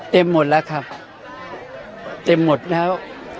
หมดแล้วครับเต็มหมดแล้ว